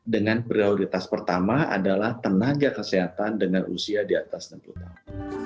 dengan prioritas pertama adalah tenaga kesehatan dengan usia di atas enam puluh tahun